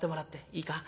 いいか。